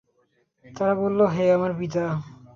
তারা বলল, হে আমাদের পিতা!